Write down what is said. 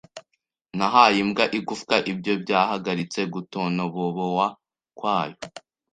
Nahaye imbwa igufwa. Ibyo byahagaritse gutonboboa kwayo.